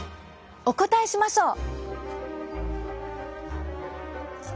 お答えしましょう。